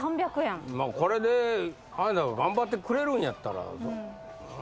これで羽根田が頑張ってくれるんやったら。